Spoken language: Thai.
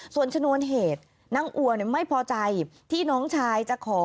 ส่วนชนวนเหตุนางอัวไม่พอใจที่น้องชายจะขอ